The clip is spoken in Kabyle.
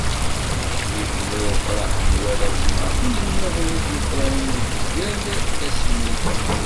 Yebda ufraq n warrazen ɣef yinelmaden i d-yufraren deg yal tasmilt.